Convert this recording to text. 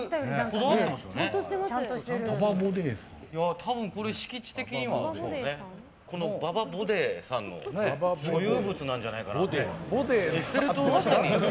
多分、敷地的にはこの馬場ボデーさんの所有物なんじゃないかなと。